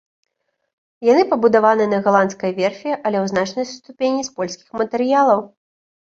Яны пабудаваны на галандскай верфі, але ў значнай ступені з польскіх матэрыялаў.